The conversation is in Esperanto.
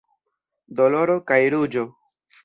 Doloro kaj ruĝo.